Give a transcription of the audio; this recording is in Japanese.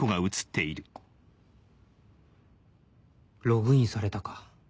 ログインされたか